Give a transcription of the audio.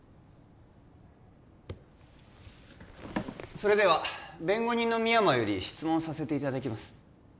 それでは弁護人の深山より質問させていただきます